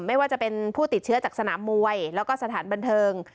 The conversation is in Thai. ไม่ว่าจะเป็นผู้ติดเชื้อจากสนามมวยแล้วก็สถานบันเทิง